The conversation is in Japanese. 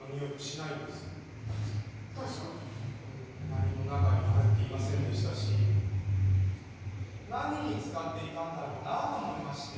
何も中には入っていませんでしたし何に使っていたんだろうなと思いまして。